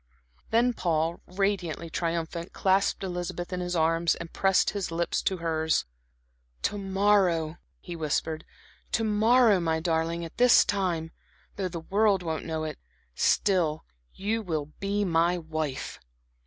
Then Paul, radiantly triumphant, clasped Elizabeth in his arms, and pressed his lips to hers. "To morrow," he whispered, "to morrow, my darling, at this time though the world won't know it still you will be my wife."